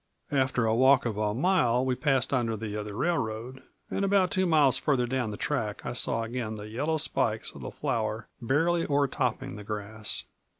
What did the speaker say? After a walk of a mile we passed under that other railroad; and about two miles farther down the track I saw again the yellow spikes of the flowers barely o'er topping the grass.